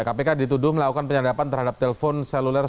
kpk dituduh melakukan penyadapan terhadap telpon seluler